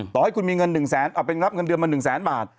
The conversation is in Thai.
ต่อให้คุณรับเงินเดือนมา๑๐๐๐๐๐บาท